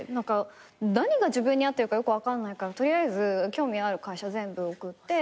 何が自分に合ってるかよく分かんないから取りあえず興味ある会社全部送って。